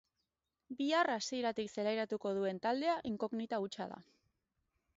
Bihar hasieratik zelairatuko duen taldea inkognita hutsa da.